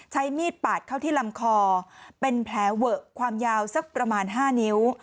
ใช้มีดปาดเข้าที่ลำคอเป็นแผลเวอะความยาวสักประมาณ๕นิ้ว